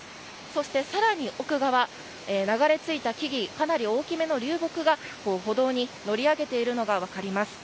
そして、更に奥側流れ着いた木々かなり大きめの流木が歩道に乗り上げているのが分かります。